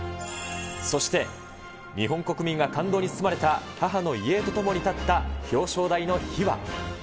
そして、日本国民が感動に包まれた母の遺影と共に立った表彰台の秘話。